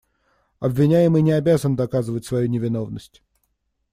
Обвиняемый не обязан доказывать свою невиновность.